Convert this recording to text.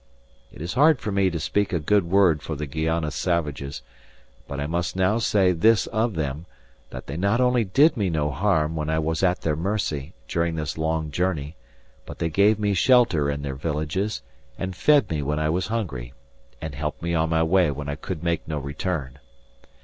It is hard for me to speak a good word for the Guayana savages; but I must now say this of them, that they not only did me no harm when I was at their mercy during this long journey, but they gave me shelter in their villages, and fed me when I was hungry, and helped me on my way when I could make no return.